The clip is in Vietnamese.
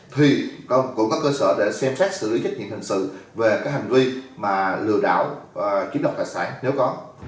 thì cũng có cơ sở để xem xét xử lý trách nhiệm hình sự về cái hành vi mà lừa đảo và chiếm đoạt tài sản nếu có